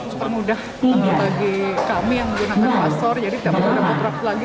mudah karena bagi kami yang menggunakan paspor jadi tiap berlaku lagi